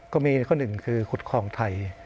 ก็มีข้อหนึ่งคือขุดคลองไทย